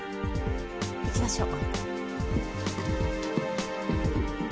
行きましょう。